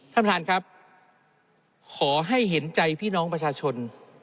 ท่านประธานครับขอให้เห็นใจพี่น้องประชาชน